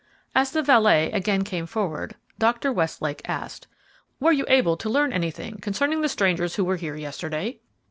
As the valet again came forward, Dr. Westlake asked, "Were you able to learn anything concerning the strangers who were here yesterday?"